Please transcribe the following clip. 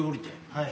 はい。